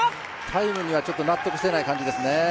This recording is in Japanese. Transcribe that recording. タイムにはちょっと納得してない感じですね。